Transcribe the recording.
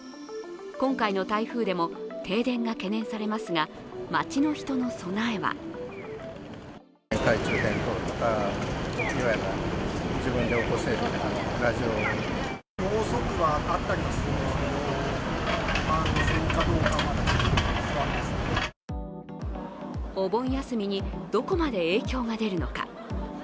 今回の台風でも停電が懸念されますが、街の人の備えはお盆休みにどこまで影響が出るのか。